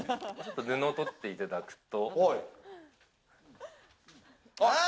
布取っていただくと。